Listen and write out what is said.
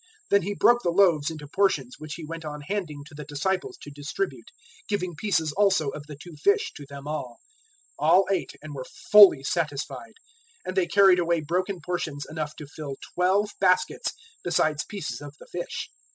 Then He broke the loaves into portions which He went on handing to the disciples to distribute; giving pieces also of the two fish to them all. 006:042 All ate and were fully satisfied. 006:043 And they carried away broken portions enough to fill twelve baskets, besides pieces of the fish.